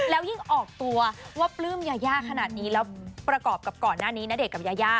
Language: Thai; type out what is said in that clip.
แล้วยิ่งออกตัวว่าปลื้มยายาขนาดนี้แล้วประกอบกับก่อนหน้านี้ณเดชน์กับยายา